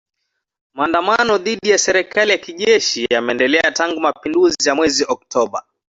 Maandamano dhidi ya serikali ya kijeshi yameendelea tangu mapinduzi ya mwezi Oktoba.